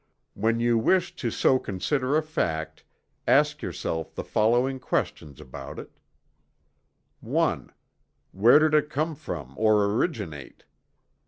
When you wish to so consider a fact, ask yourself the following questions about it: I. Where did it come from or originate?